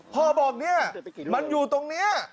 พ่อบอกเนี่ยมันอยู่ตรงนี้